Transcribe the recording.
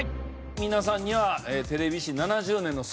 皆さんには。